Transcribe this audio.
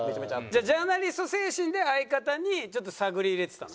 じゃあジャーナリスト精神で相方にちょっと探り入れてたの？